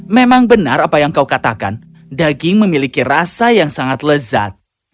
memang benar apa yang kau katakan daging memiliki rasa yang sangat lezat